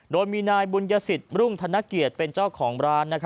โดยมีนายบุญยสิทธิรุ่งธนเกียรติเป็นเจ้าของร้าน